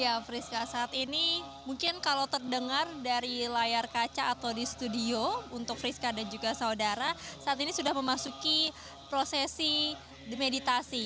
ya friska saat ini mungkin kalau terdengar dari layar kaca atau di studio untuk friska dan juga saudara saat ini sudah memasuki prosesi dimeditasi